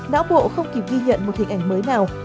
não bộ không kịp ghi nhận một hình ảnh mới nào